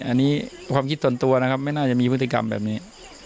อันนี้ความคิดส่วนตัวนะครับไม่น่าจะมีพฤติกรรมแบบนี้